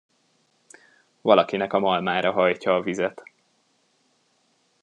Valakinek a malmára hajtja a vizet.